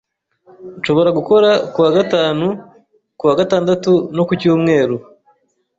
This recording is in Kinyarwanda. Nshobora gukora ku wa gatanu, ku wa gatandatu, no ku cyumweru.